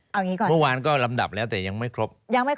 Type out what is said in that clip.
เมื่อวานก็ลำดับแล้วแต่ยังไม่ครบ